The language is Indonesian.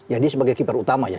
ya dia sebagai keeper utama ya